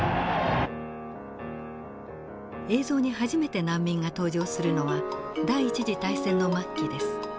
映像に初めて難民が登場するのは第一次大戦の末期です。